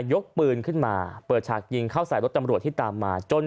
ยกปืนขึ้นมาเปิดฉากยิงเข้าใส่รถตำรวจที่ตามมาจน